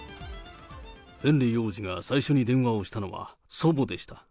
ヘンリー王子が最初に電話をしたのは祖母でした。